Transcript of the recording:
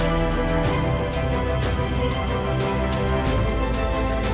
hari ini aku akan menjagaagesu